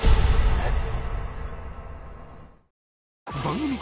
えっ？